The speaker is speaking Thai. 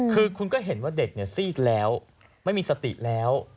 คือคุณก็เห็นว่าเด็กซีดแล้วไม่มีสติแล้ว